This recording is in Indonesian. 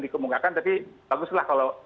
dikemukakan tapi baguslah kalau